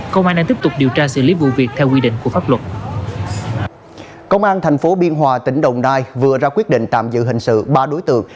công an tp biên hòa tỉnh đồng nai vừa ra quyết định tạm giữ hình sự ba đối tượng